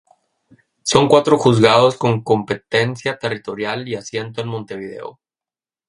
Son cuatro juzgados con competencia territorial y asiento en Montevideo.